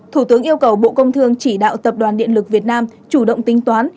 thủ tướng yêu cầu bộ công thương chỉ đạo tập đoàn điện lực việt nam chủ động tính toán